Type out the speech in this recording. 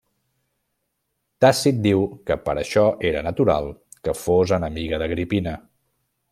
Tàcit diu que per això era natural que fos enemiga d'Agripina.